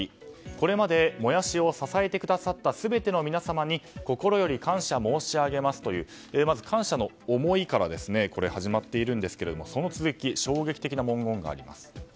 これまでもやしを支えてくださった全ての皆様に心より感謝申し上げますというまず、感謝の思いから始まっているんですがその続き衝撃的な文言があります。